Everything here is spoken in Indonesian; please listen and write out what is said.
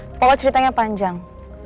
pokoknya ceritanya panjang